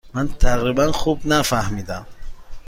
من تقریبا خوب نفهمیدم.